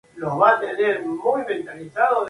Toda la música compuesta por Theory of a Deadman.